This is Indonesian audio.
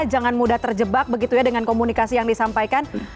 jangan mudah terjebak begitu ya dengan komunikasi yang disampaikan